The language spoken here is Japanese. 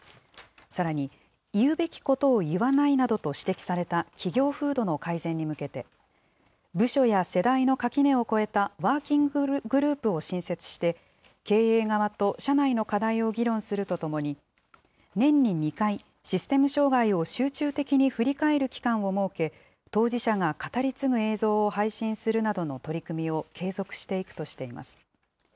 さらに、言うべきことを言わないなどと指摘された企業風土の改善に向けて、部署や世代の垣根を越えたワーキンググループを新設して、経営側と社内の課題を議論するとともに、年に２回、システム障害を集中的に振り返る期間を設け、当事者が語り継ぐ映像を配信するなどの取り組みを継続していくとしています。